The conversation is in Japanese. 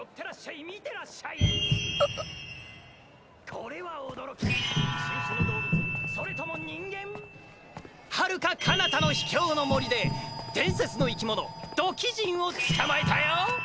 これは驚き新種の動物⁉それとも人間⁉はるか彼方の秘境の森で伝説の生き物土器人を捕まえたよ！！